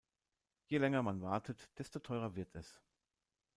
Je länger man wartet, desto teurer wird es.